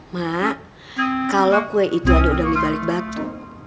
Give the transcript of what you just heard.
ma kalau kue itu ada udang dibalik batu